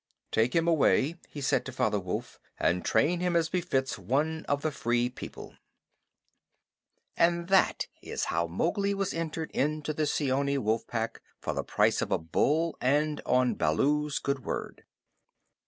"Take him away," he said to Father Wolf, "and train him as befits one of the Free People." And that is how Mowgli was entered into the Seeonee Wolf Pack for the price of a bull and on Baloo's good word.